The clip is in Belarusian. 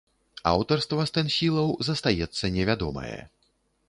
Аўтарства стэнсілаў застаецца невядомае.